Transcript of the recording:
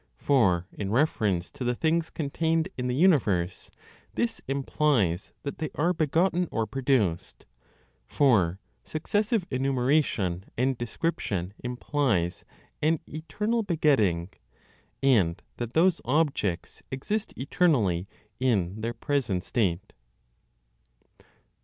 For, in reference to the things contained in the universe, this implies that they are begotten or produced; for successive enumeration and description implies an eternal begetting, and that those objects exist eternally in their present state.